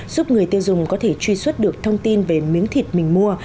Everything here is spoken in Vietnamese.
giúp người tiêu dùng có thể truy xuất được thông tin về miếng thịt mình mua